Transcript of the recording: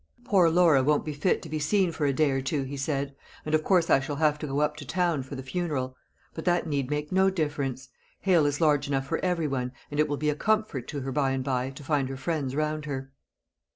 "Poor Laura won't be fit to be seen for a day or two," he said, "and of course I shall have to go up to town for the funeral; but that need make no difference. Hale is large enough for every one, and it will be a comfort to her by and by to find her friends round her."